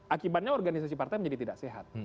akibatnya organisasi partai menjadi tidak sehat